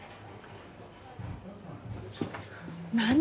何？